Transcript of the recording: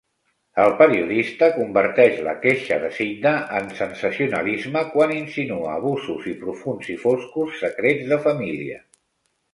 El periodista converteix la queixa de Sidda en sensacionalisme quan insinua abusos i profunds i foscos secrets de família